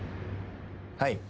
はい。